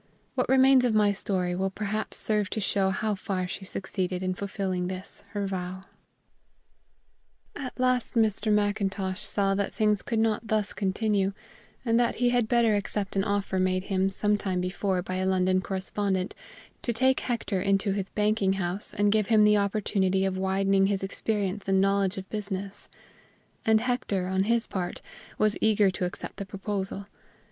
What remains of my story will perhaps serve to show how far she succeeded in fulfilling this her vow. At last Mr. Macintosh saw that things could not thus continue, and that he had better accept an offer made him some time before by a London correspondent to take Hector into his banking house and give him the opportunity of widening his experience and knowledge of business; and Hector, on his part, was eager to accept the proposal.